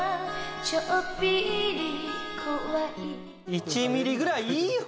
１ミリぐらいいいよ。